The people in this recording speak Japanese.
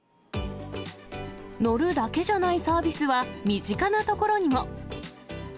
乗るだけじゃないサービスは、身近なところにも。